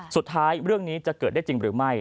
เรื่องนี้จะเกิดได้จริงหรือไม่